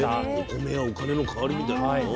お米やお金の代わりみたいなもの？